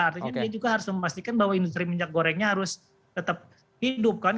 artinya dia juga harus memastikan bahwa industri minyak gorengnya harus tetap hidup kan